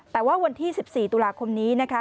แต่ว่าวันที่๑๔ตุลาคมนี้นะคะ